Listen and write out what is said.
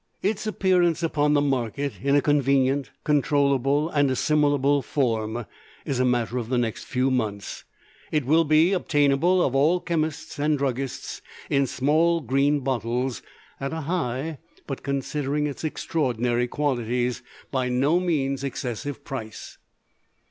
Its appearance upon the market in a convenient, controllable, and assimilable form is a matter of the next few months. It will be obtainable of all chemists and druggists, in small green bottles, at a high but, considering its extraordinary qualities, by no means excessive price.